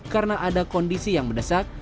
karena ada kondisi yang mendesak